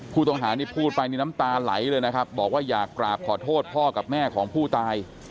ผู้ต้องหานี่พูดไปนี่น้ำตาไหลเลยนะครับบอกว่าอยากกราบขอโทษพ่อกับแม่ของผู้ตาย